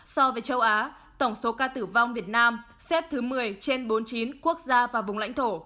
so với châu á tổng số ca tử vong việt nam xếp thứ một mươi trên bốn mươi chín quốc gia và vùng lãnh thổ